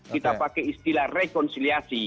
kita pakai istilah rekonsiliasi